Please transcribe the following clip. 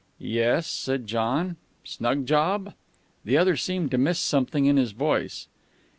"Yes?" said John. "Snug job?" The other seemed to miss something in his voice.